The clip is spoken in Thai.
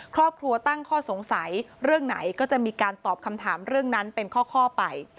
ครอบครัวตั้งข้อสงสัยเรื่องไหนก็จะมีการตอบคำถามเรื่องนั้นเป็นข้อไป